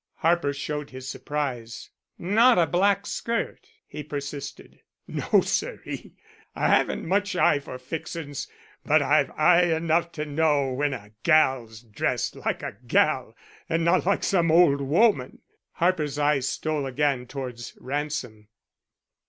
Harper showed his surprise. "Not a black skirt?" he persisted. "No, sir'ee. I haven't much eye for fixin's but I've eye enough to know when a gal's dressed like a gal and not like some old woman." Harper's eye stole again towards Ransom.